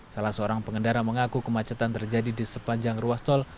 salah seorang pengendara mengaku kemacetan terjadi di sepanjang ruas tol